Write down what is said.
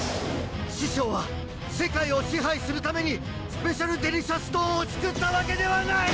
師匠は世界を支配するためにスペシャルデリシャストーンを作ったわけではない！